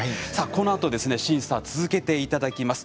このあとも審査を続けていただきます。